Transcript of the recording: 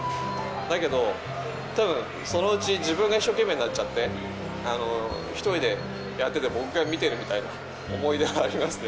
だけど、たぶん、そのうち、自分が一生懸命になっちゃって、１人でやってて、僕が見てるみたいな思い出がありますね。